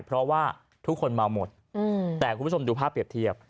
เพราะว่าทุกคนเมาหมดแต่คุณผู้ชมดูภาพเปรียบเทียบ